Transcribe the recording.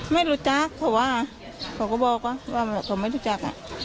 ไม่รู้จักเขาว่าเขาก็บอกว่าเขาไม่รู้จัก